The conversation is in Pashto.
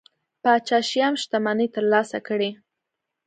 پاچا شیام شتمنۍ ترلاسه کړي.